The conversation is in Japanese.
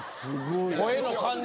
声の感じ